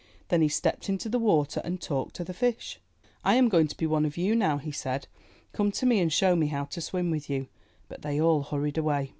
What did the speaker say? Then he stepped into the water and talked to the fish, "I am going to be one of you now," he said. ''Come to me and show me how to swim with you." But they all hurried away.